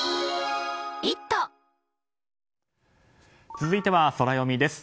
続いてはソラよみです。